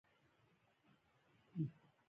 خور تل د کورنۍ د خوشحالۍ لامل وي.